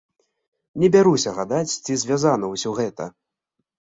Не бяруся гадаць, ці звязана ўсё гэта.